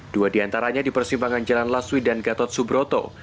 dua diantaranya di persimpangan jalan laswi dan gatot subroto